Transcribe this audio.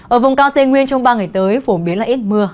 ở vùng cao tây nguyên trong ba ngày tới phổ biến là ít mưa